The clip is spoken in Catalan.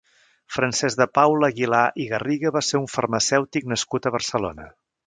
Francesc de Paula Aguilar i Garriga va ser un farmacèutic nascut a Barcelona.